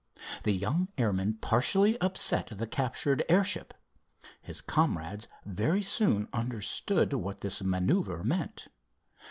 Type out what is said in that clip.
The young airman partially upset the captured airship. His comrades very soon understood what this manœuvre meant.